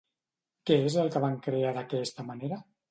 Què és el que van crear d'aquesta manera?